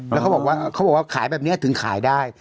แล้วเขาบอกว่าขายแบบนี้ถึงขายได้